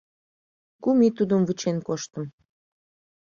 Кум ий тудым вучен коштым.